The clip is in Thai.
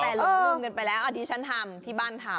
แต่รมมือมื้อกันไปแล้วอ๋อที่ฉันทำที่บ้านทำ